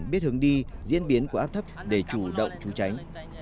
biết hướng đi diễn biến của áp thấp để chủ động trú tránh